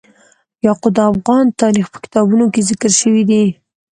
یاقوت د افغان تاریخ په کتابونو کې ذکر شوی دي.